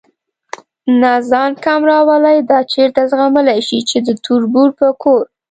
نه ځان کم راولي، دا چېرته زغملی شي چې د تربور په کور.